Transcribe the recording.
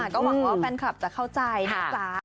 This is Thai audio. ก็หวังว่าแฟนคลับจะเข้าใจนะจ๊ะ